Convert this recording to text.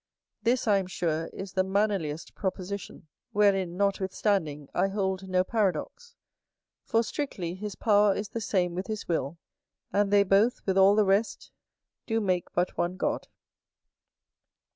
This, I am sure, is the mannerliest proposition; wherein, notwithstanding, I hold no paradox: for, strictly, his power is the same with his will; and they both, with all the rest, do make but one God.